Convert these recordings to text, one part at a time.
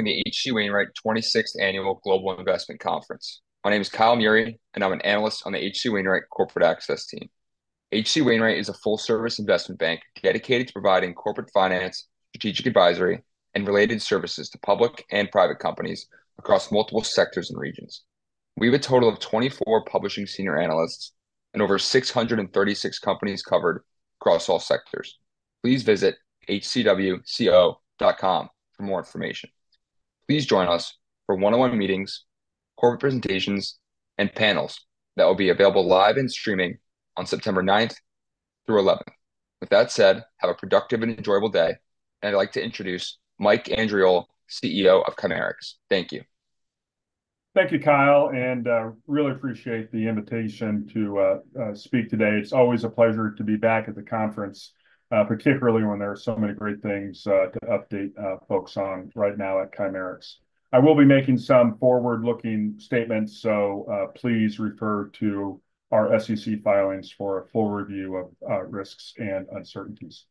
The H.C. Wainwright 26th Annual Global Investment Conference. My name is Kyle Meury, and I'm an analyst on the H.C. Wainwright Corporate Access team. H.C. Wainwright is a full-service investment bank dedicated to providing corporate finance, strategic advisory, and related services to public and private companies across multiple sectors and regions. We have a total of 24 publishing senior analysts and over 636 companies covered across all sectors. Please visit hcwco.com for more information. Please join us for one-on-one meetings, corporate presentations, and panels that will be available live and streaming on September 9th, through September 11th. With that said, have a productive and enjoyable day, and I'd like to introduce Mike Andriole, CEO of Chimerix. Thank you. Thank you, Kyle, and really appreciate the invitation to speak today. It's always a pleasure to be back at the conference, particularly when there are so many great things to update folks on right now at Chimerix. I will be making some forward-looking statements, so please refer to our SEC filings for a full review of risks and uncertainties.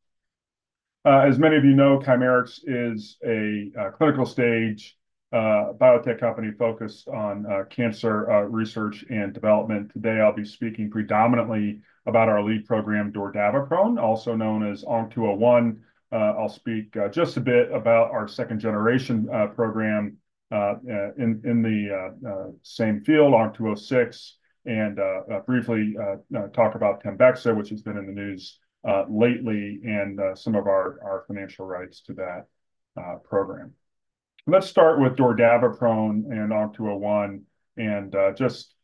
As many of you know, Chimerix is a clinical stage biotech company focused on cancer research and development. Today, I'll be speaking predominantly about our lead program, dordaviprone, also known as ONC201. I'll speak just a bit about our second-generation program in the same field, ONC206, and briefly talk about TEMBEXA, which has been in the news lately, and some of our financial rights to that program. Let's start with dordaviprone and ONC201, and just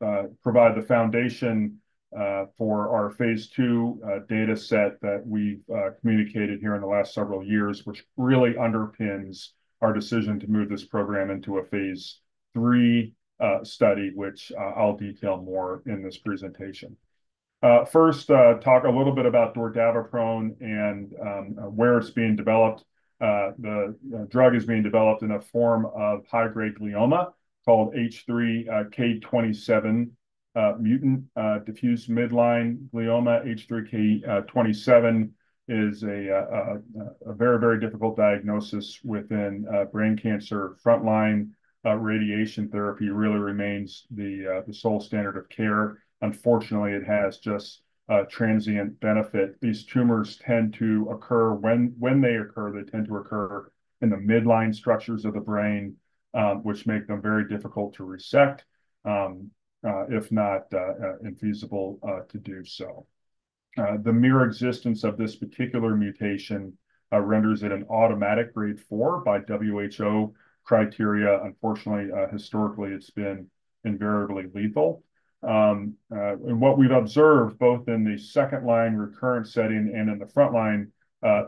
provide the foundation for our phase II data set that we've communicated here in the last several years, which really underpins our decision to move this program into a phase III study, which I'll detail more in this presentation. First, talk a little bit about dordaviprone and where it's being developed. The drug is being developed in a form of high-grade glioma called H3K27M-mutant diffuse midline glioma. H3K27 is a very, very difficult diagnosis within brain cancer. Frontline radiation therapy really remains the sole standard of care. Unfortunately, it has just a transient benefit. These tumors tend to occur when they occur in the midline structures of the brain, which make them very difficult to resect, infeasible to do so. The mere existence of this particular mutation renders it an automatic grade four by WHO criteria. Unfortunately, historically, it's been invariably lethal, and what we've observed, both in the second line recurrent setting and in the frontline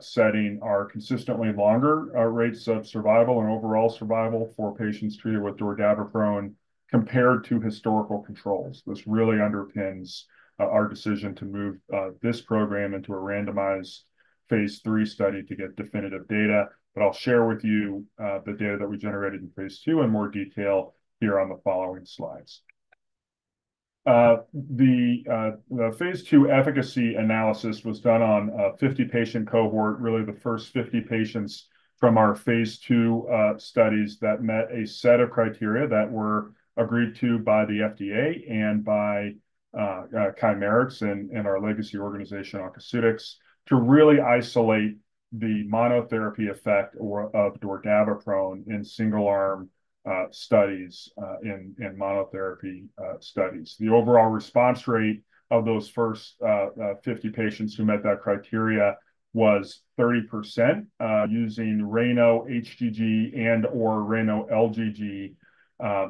setting, are consistently longer rates of survival and overall survival for patients treated with dordaviprone compared to historical controls. This really underpins our decision to move this program into a randomized phase III study to get definitive data. But I'll share with you the data that we generated in phase II in more detail here on the following slides. The phase II efficacy analysis was done on 50-patient cohort, really the first 50 patients from our phase II studies that met a set of criteria that were agreed to by the FDA and by Chimerix and our legacy organization, Oncoceutics, to really isolate the monotherapy effect of dordaviprone in single-arm studies in monotherapy studies. The overall response rate of those first 50 patients who met that criteria was 30%, using RANO-HGG and/or RANO-LGG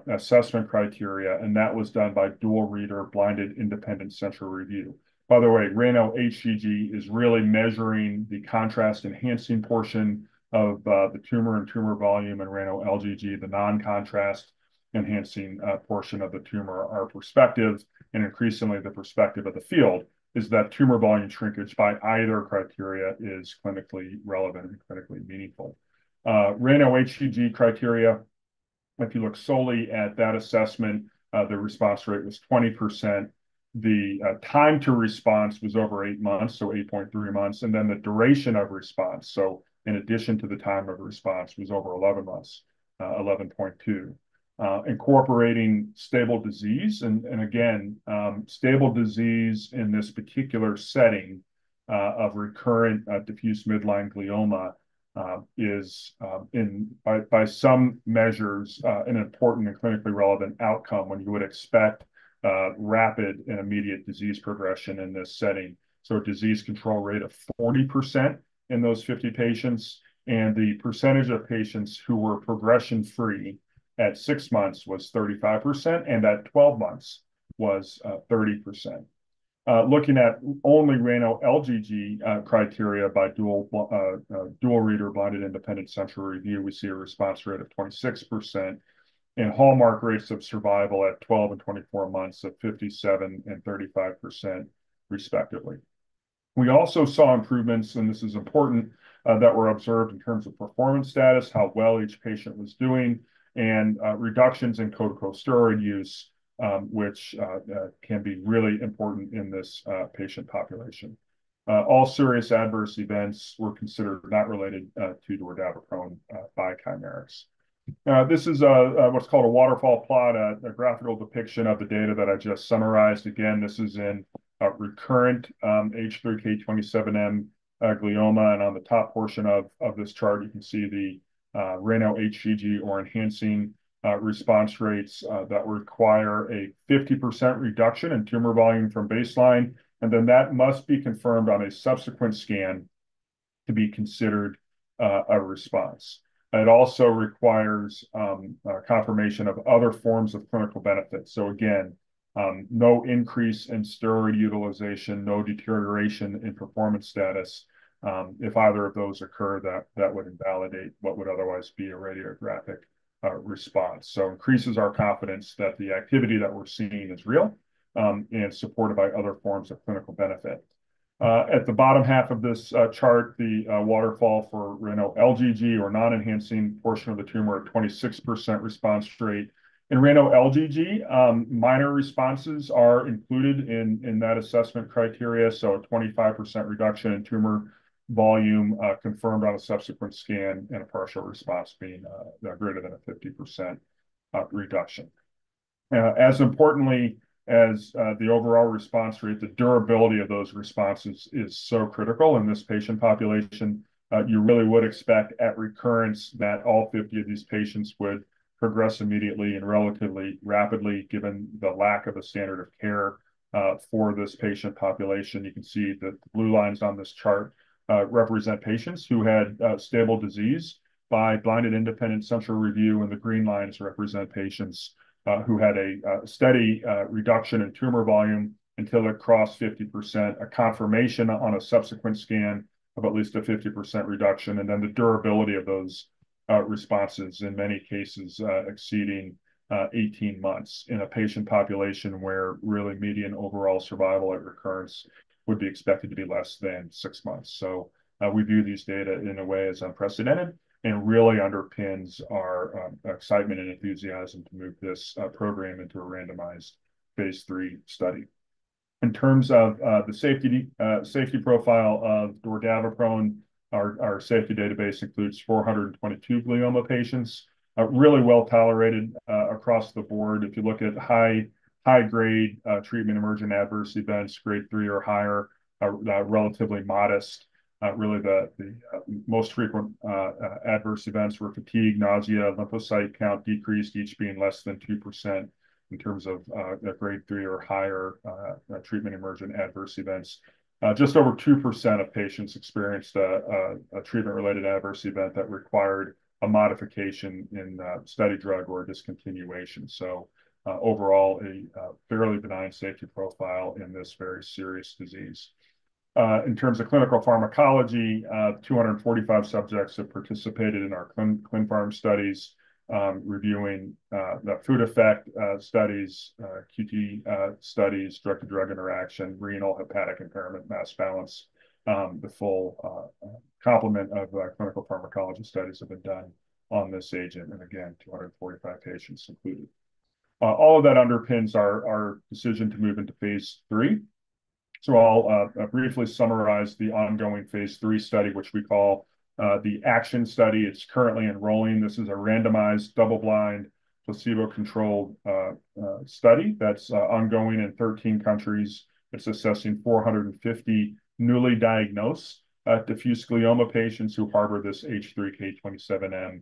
assessment criteria, and that was done by dual reader, blinded independent central review. By the way, RANO-HGG is really measuring the contrast-enhancing portion of the tumor and tumor volume in RANO-LGG, the non-contrast-enhancing portion of the tumor. Our perspective, and increasingly the perspective of the field, is that tumor volume shrinkage by either criteria is clinically relevant and clinically meaningful. RANO-HGG criteria, if you look solely at that assessment, the response rate was 20%. The time to response was over eight months, so 8.3 months, and then the duration of response, so in addition to the time of response, was over 11 months, 11.2. Incorporating stable disease, and again, stable disease in this particular setting of recurrent diffuse midline glioma is by some measures an important and clinically relevant outcome when you would expect rapid and immediate disease progression in this setting. So a disease control rate of 40% in those 50 patients, and the percentage of patients who were progression-free at 6 months was 35%, and at 12 months was 30%. Looking at only RANO-LGG criteria by dual reader, blinded independent central review, we see a response rate of 26%, and landmark rates of survival at 12 and 24 months of 57% and 35%, respectively. We also saw improvements, and this is important, that were observed in terms of performance status, how well each patient was doing. And reductions in corticosteroid use, which can be really important in this patient population. All serious adverse events were considered not related to dordaviprone by Chimerix. This is what's called a waterfall plot, a graphical depiction of the data that I just summarized. Again, this is in a recurrent H3K27M glioma, and on the top portion of this chart, you can see the RANO-HGG or enhancing response rates that require a 50% reduction in tumor volume from baseline, and then that must be confirmed on a subsequent scan to be considered a response. It also requires confirmation of other forms of clinical benefit. So again, no increase in steroid utilization, no deterioration in performance status. If either of those occur, that would invalidate what would otherwise be a radiographic response. So increases our confidence that the activity that we're seeing is real, and supported by other forms of clinical benefit. At the bottom half of this chart, the waterfall for RANO-LGG or non-enhancing portion of the tumor, a 26% response rate. In RANO-LGG, minor responses are included in that assessment criteria, so a 25% reduction in tumor volume, confirmed on a subsequent scan, and a partial response being greater than a 50% reduction. As importantly as the overall response rate, the durability of those responses is so critical in this patient population. You really would expect at recurrence that all 50 of these patients would progress immediately and relatively rapidly, given the lack of a standard of care, for this patient population. You can see the blue lines on this chart represent patients who had stable disease by blinded independent central review, and the green lines represent patients who had a steady reduction in tumor volume until it crossed 50%, a confirmation on a subsequent scan of at least a 50% reduction, and then the durability of those responses, in many cases, exceeding 18 months in a patient population where really median overall survival at recurrence would be expected to be less than six months. We view these data in a way as unprecedented and really underpins our excitement and enthusiasm to move this program into a randomized phase III study. In terms of the safety profile of dordaviprone, our safety database includes 422 glioma patients, really well tolerated across the board. If you look at high-grade treatment-emergent adverse events, grade 3 or higher, are relatively modest. Really, the most frequent adverse events were fatigue, nausea, lymphocyte count decreased, each being less than 2% in terms of a grade 3 or higher treatment-emergent adverse events. Just over 2% of patients experienced a treatment-related adverse event that required a modification in study drug or a discontinuation. Overall, a fairly benign safety profile in this very serious disease. In terms of clinical pharmacology, 245 subjects have participated in our clinical pharm studies, reviewing the food effect studies, QT studies, drug-to-drug interaction, renal-hepatic impairment, mass balance. The full complement of clinical pharmacology studies have been done on this agent, and again, 245 patients included. All of that underpins our decision to move into phase III. I'll briefly summarize the ongoing phase III study, which we call the ACTION study. It's currently enrolling. This is a randomized, double-blind, placebo-controlled study that's ongoing in 13 countries. It's assessing 450 newly diagnosed diffuse glioma patients who harbor this H3K27M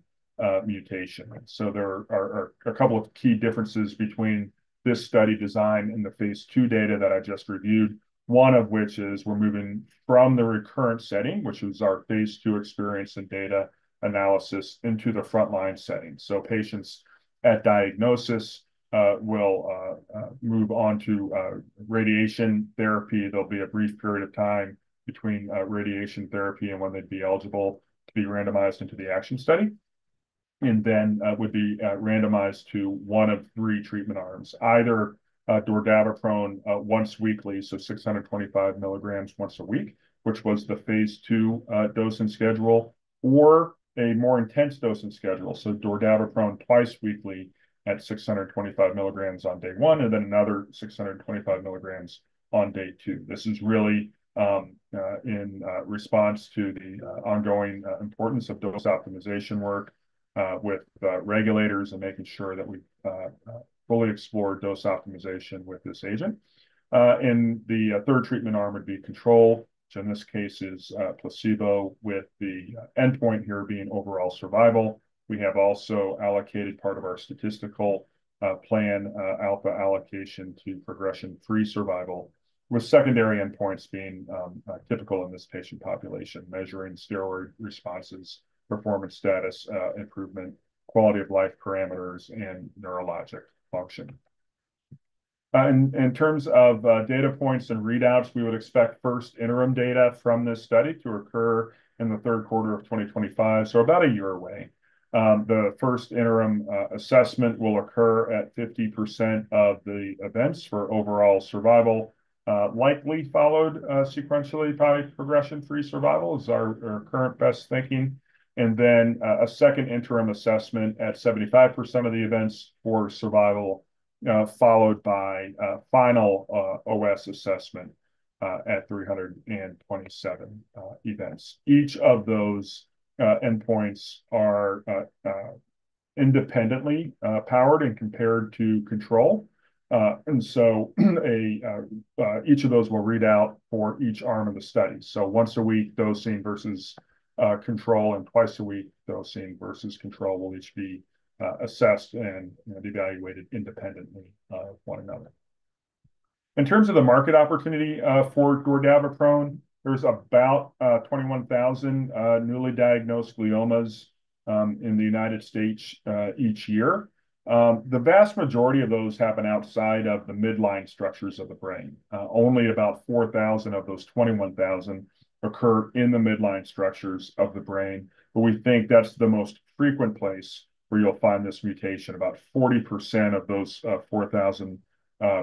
mutation. So there are a couple of key differences between this study design and the phase II data that I just reviewed. One of which is we're moving from the recurrent setting, which was our phase II experience and data analysis, into the frontline setting. Patients at diagnosis will move on to radiation therapy. There'll be a brief period of time between radiation therapy and when they'd be eligible to be randomized into the ACTION study, and then would be randomized to one of three treatment arms, either dordaviprone once weekly, so six hundred and twenty-five milligrams once a week, which was the phase II dose and schedule, or a more intense dose and schedule, so dordaviprone twice weekly at 625 mg on day one, and then another 625 mg on day two. This is really in response to the ongoing importance of dose optimization work with regulators and making sure that we fully explore dose optimization with this agent. And the third treatment arm would be control, which in this case is placebo, with the endpoint here being overall survival. We have also allocated part of our statistical plan alpha allocation to progression-free survival, with secondary endpoints being typical in this patient population, measuring steroid responses, performance status improvement, quality of life parameters, and neurologic function. In terms of data points and readouts, we would expect first interim data from this study to occur in the third quarter of 2025, so about a year away. The first interim assessment will occur at 50% of the events for overall survival, likely followed sequentially by progression-free survival is our current best thinking, and then a second interim assessment at 75% of the events for survival followed by final OS assessment at 327 events. Each of those endpoints are independently powered and compared to control. And so each of those will read out for each arm of the study. So once a week dosing versus control, and twice a week dosing versus control will each be assessed and, you know, evaluated independently of one another. In terms of the market opportunity for dordaviprone, there's about 21,000 newly diagnosed gliomas in the United States each year. The vast majority of those happen outside of the midline structures of the brain. Only about 4,000 of those 21,000 occur in the midline structures of the brain, but we think that's the most frequent place where you'll find this mutation. About 40% of those 4,000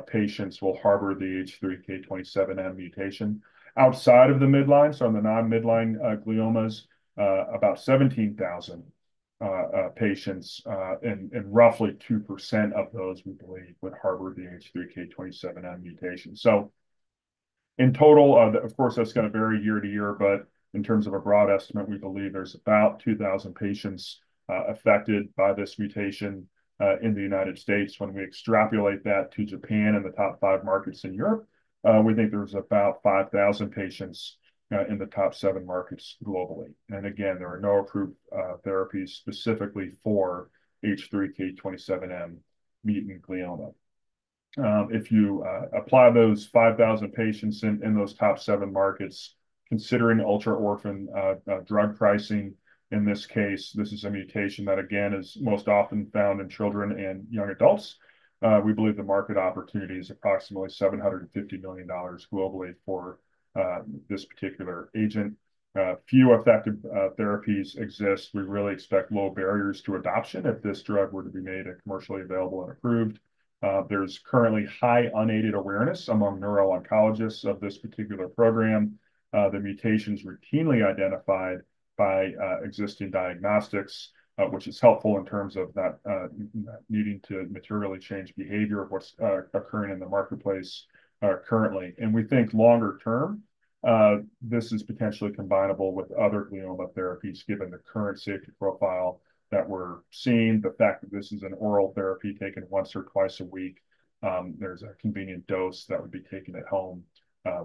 patients will harbor the H3K27M mutation. Outside of the midline, so on the non-midline gliomas, about 17,000 patients, and roughly 2% of those, we believe, would harbor the H3K27M mutation. So in total, of course, that's gonna vary year to year, but in terms of a broad estimate, we believe there's about 2,000 patients affected by this mutation in the United States. When we extrapolate that to Japan and the top five markets in Europe, we think there's about 5,000 patients in the top seven markets globally, and again, there are no approved therapies specifically for H3K27M mutant glioma. If you apply those 5,000 patients in those top seven markets, considering ultra-orphan drug pricing, in this case, this is a mutation that, again, is most often found in children and young adults. We believe the market opportunity is approximately $750 million globally for this particular agent. Few effective therapies exist. We really expect low barriers to adoption if this drug were to be made commercially available and approved. There's currently high unaided awareness among neuro-oncologists of this particular program. The mutation's routinely identified by existing diagnostics, which is helpful in terms of not needing to materially change behavior of what's occurring in the marketplace currently. And we think longer term, this is potentially combinable with other glioma therapies, given the current safety profile that we're seeing. The fact that this is an oral therapy taken once or twice a week, there's a convenient dose that would be taken at home.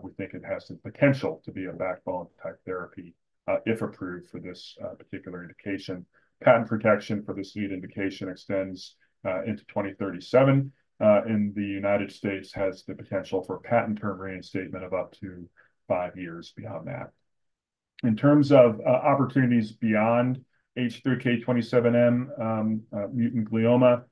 We think it has the potential to be a backbone-type therapy, if approved for this particular indication. Patent protection for this lead indication extends into 2037, and the United States has the potential for patent term reinstatement of up to five years beyond that. In terms of opportunities beyond H3K27M mutant glioma,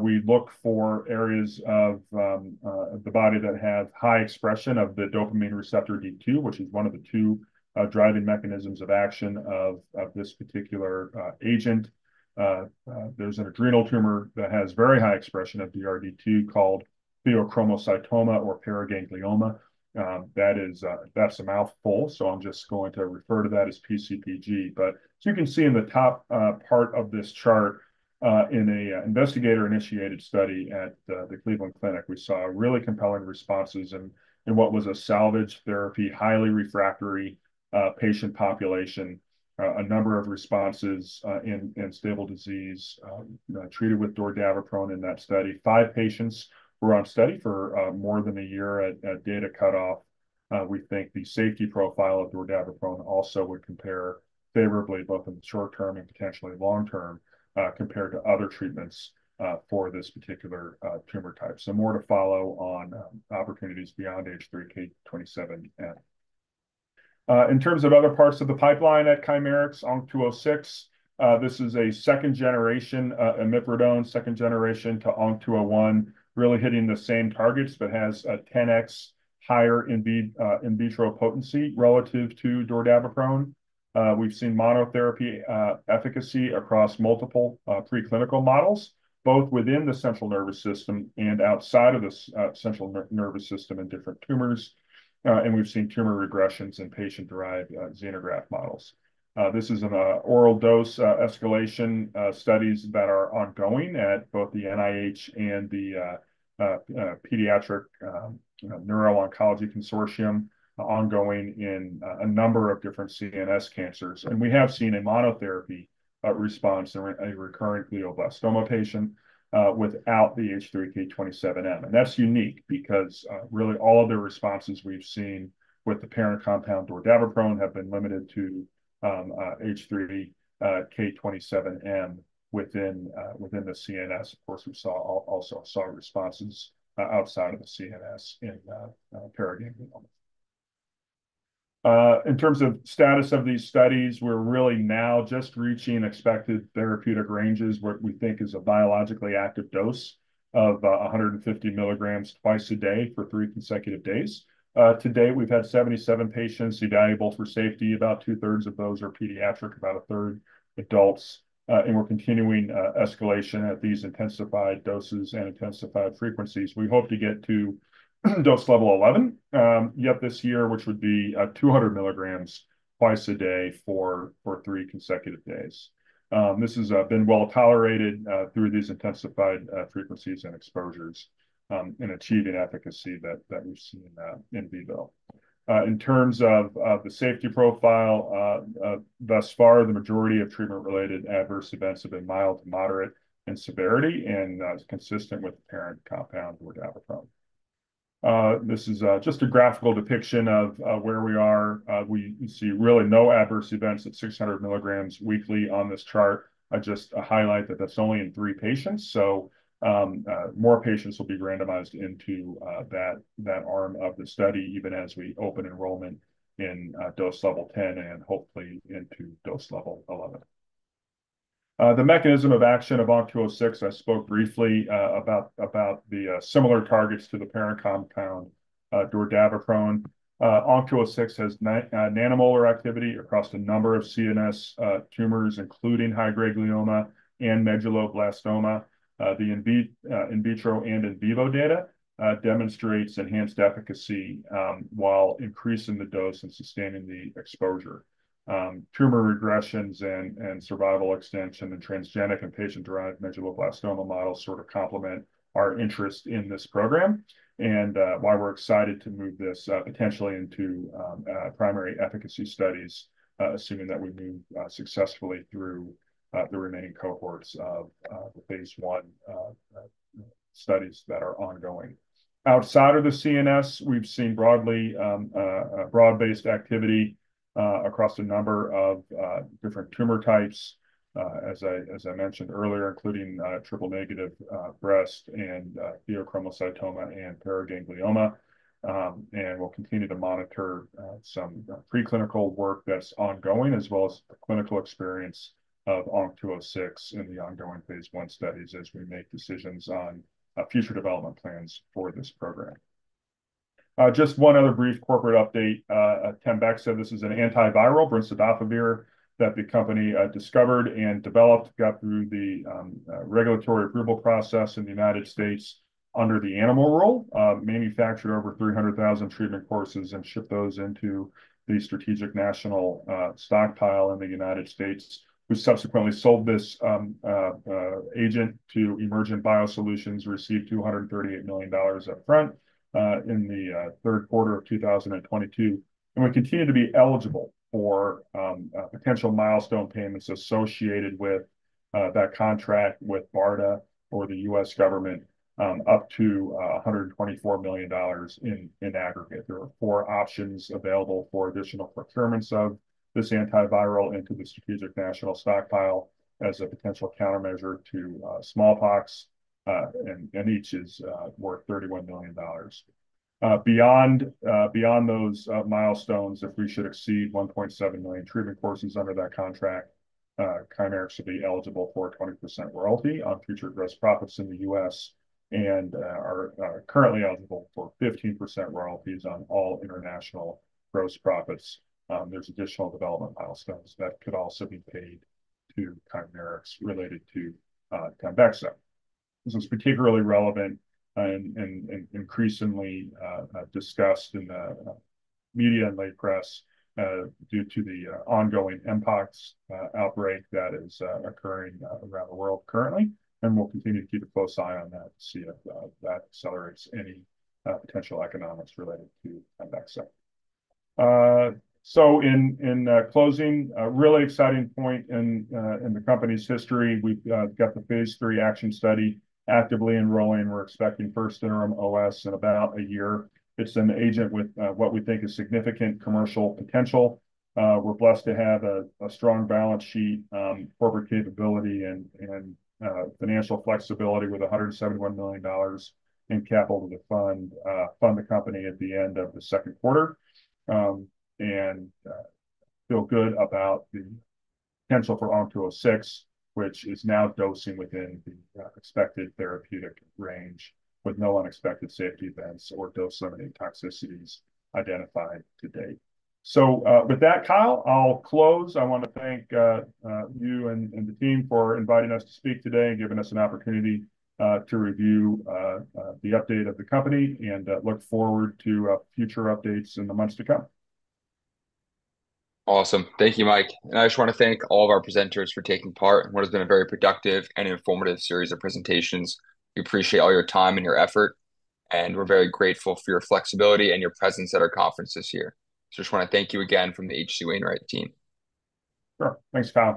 we look for areas of the body that have high expression of the dopamine receptor D2, which is one of the two driving mechanisms of action of this particular agent. There's an adrenal tumor that has very high expression of DRD2 called pheochromocytoma or paraganglioma. That is a mouthful, so I'm just going to refer to that as PCPG. But as you can see in the top part of this chart, in a investigator-initiated study at the Cleveland Clinic, we saw really compelling responses in what was a salvage therapy, highly refractory patient population. A number of responses in stable disease treated with dordaviprone in that study. Five patients were on study for more than a year at data cutoff. We think the safety profile of dordaviprone also would compare favorably, both in the short term and potentially long term, compared to other treatments, for this particular tumor type. So more to follow on opportunities beyond H3K27M. In terms of other parts of the pipeline at Chimerix, ONC206, this is a second-generation imipridone, second generation to ONC201, really hitting the same targets, but has a 10X higher in vitro potency relative to dordaviprone. We've seen monotherapy efficacy across multiple preclinical models, both within the central nervous system and outside of the central nervous system in different tumors. And we've seen tumor regressions in patient-derived xenograft models. This is an oral dose escalation studies that are ongoing at both the NIH and the Pediatric you know Neuro-Oncology Consortium, ongoing in a number of different CNS cancers. We have seen a monotherapy response in a recurrent glioblastoma patient without the H3K27M. And that's unique because really all other responses we've seen with the parent compound, dordaviprone, have been limited to H3K27M within the CNS. Of course, we also saw responses outside of the CNS in paraganglioma. In terms of status of these studies, we're really now just reaching expected therapeutic ranges, what we think is a biologically active dose of a hundred and fifty milligrams twice a day for three consecutive days. Today, we've had 77 patients evaluable for safety. About 2/3 of those are pediatric, about 1/3 adults. And we're continuing escalation at these intensified doses and intensified frequencies. We hope to get to dose level eleven yet this year, which would be 200 mg twice a day for three consecutive days. This has been well tolerated through these intensified frequencies and exposures in achieving efficacy that we've seen in vivo. In terms of the safety profile thus far, the majority of treatment-related adverse events have been mild to moderate in severity and is consistent with the parent compound, dordaviprone. This is just a graphical depiction of where we are. We see really no adverse events at 600 mg weekly on this chart. I just highlight that that's only in three patients, so more patients will be randomized into that arm of the study, even as we open enrollment in dose level 10, and hopefully into dose level 11. The mechanism of action of ONC206, I spoke briefly about the similar targets to the parent compound dordaviprone. ONC206 has nanomolar activity across a number of CNS tumors, including high-grade glioma and medulloblastoma. The in vitro and in vivo data demonstrates enhanced efficacy while increasing the dose and sustaining the exposure. Tumor regressions and survival extension in the transgenic and patient-derived medulloblastoma models sort of complement our interest in this program, and why we're excited to move this potentially into primary efficacy studies, assuming that we move successfully through the remaining cohorts of the phase I studies that are ongoing. Outside of the CNS, we've seen broadly a broad-based activity across a number of different tumor types as I mentioned earlier, including triple-negative breast and pheochromocytoma and paraganglioma. And we'll continue to monitor some preclinical work that's ongoing, as well as the clinical experience of ONC206 in the ongoing phase I studies as we make decisions on future development plans for this program. Just one other brief corporate update. TEMBEXA, this is an antiviral, brincidofovir, that the company discovered and developed, got through the regulatory approval process in the United States under the Animal Rule. Manufactured over 300,000 treatment courses and shipped those into the Strategic National Stockpile in the United States. We subsequently sold this agent to Emergent BioSolutions, received $238 million upfront in the third quarter of 2022. We continue to be eligible for potential milestone payments associated with that contract with BARDA or the U.S. government up to $124 million in aggregate. There are four options available for additional procurements of this antiviral into the Strategic National Stockpile as a potential countermeasure to smallpox, and each is worth $31 million. Beyond those milestones, if we should exceed one point seven million treatment courses under that contract, Chimerix will be eligible for a 20% royalty on future gross profits in the U.S., and are currently eligible for 15% royalties on all international gross profits. There's additional development milestones that could also be paid to Chimerix related to TEMBEXA. This is particularly relevant and increasingly discussed in the media and lay press due to the ongoing mpox outbreak that is occurring around the world currently, and we'll continue to keep a close eye on that to see if that accelerates any potential economics related to TEMBEXA. So in closing, a really exciting point in the company's history, we've got the phase III ACTION study actively enrolling. We're expecting first interim OS in about a year. It's an agent with what we think is significant commercial potential. We're blessed to have a strong balance sheet, corporate capability, and financial flexibility with $171 million in capital to fund the company at the end of the second quarter, and feel good about the potential for ONC206, which is now dosing within the expected therapeutic range, with no unexpected safety events or dose-limiting toxicities identified to date. So with that, Kyle, I'll close. I want to thank you and the team for inviting us to speak today and giving us an opportunity to review the update of the company, and I look forward to future updates in the months to come. Awesome. Thank you, Mike. And I just wanna thank all of our presenters for taking part in what has been a very productive and informative series of presentations. We appreciate all your time and your effort, and we're very grateful for your flexibility and your presence at our conference this year. So I just wanna thank you again from the H.C. Wainwright team. Sure. Thanks, Kyle.